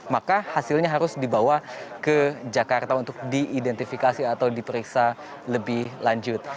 maka hasilnya harus dibawa ke jakarta untuk diidentifikasi atau diperiksa lebih lanjut